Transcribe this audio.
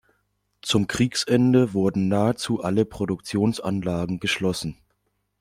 Zum Kriegsende wurden nahezu alle Produktionsanlagen geschlossen.